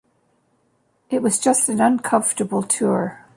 It was just an uncomfortable tour.